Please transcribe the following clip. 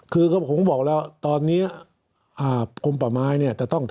คือผมบอกแล้วตอนนี้กลมป่าไม้เนี่ยจะต้อง